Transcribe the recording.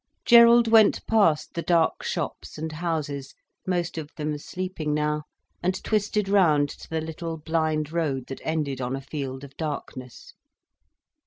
Gerald went past the dark shops and houses, most of them sleeping now, and twisted round to the little blind road that ended on a field of darkness.